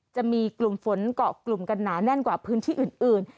จะมีกลุ่มฝนเกาะกลุ่มกันหนาแน่นกว่าพื้นที่อื่น